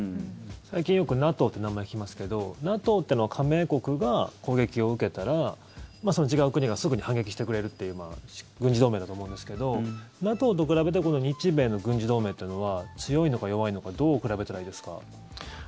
最近よくＮＡＴＯって名前聞きますけどＮＡＴＯというのは加盟国が攻撃を受けたら違う国がすぐに反撃してくれるっていう軍事同盟だと思うんですけどＮＡＴＯと比べてこの日米の軍事同盟というのは強いのか弱いのかどう比べたらいいですか？